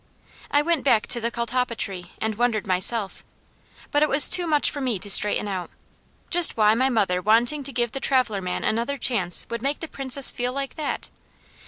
I went back to the catalpa tree and wondered myself; but it was too much for me to straighten out: just why my mother wanting to give the traveller man another chance would make the Princess feel like that.